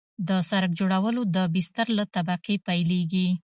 د سرک جوړول د بستر له طبقې پیلیږي